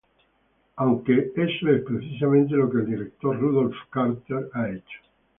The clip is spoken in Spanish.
Aunque eso es precisamente lo que el director Rudolph Cartier ha hecho.